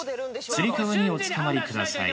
つり革におつかまりください。